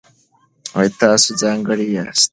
تاسو ځانګړي یاست.